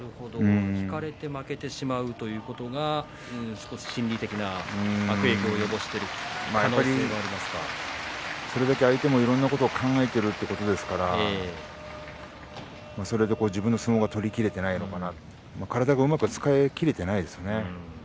引かれて負けてしまうということが少し心理的な悪影響を及ぼしている可能性もそれだけ相手もいろいろなことを考えているということですからそれで自分の相撲が取りきれていないのかなと。